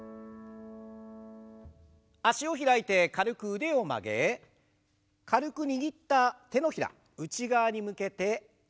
脚を開いて軽く腕を曲げ軽く握った手のひら内側に向けて上下に肘を動かす運動です。